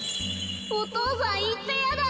お父さんいっちゃやだ。